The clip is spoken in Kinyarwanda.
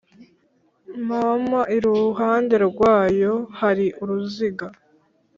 Mm iruhande rwarwo hari uruziga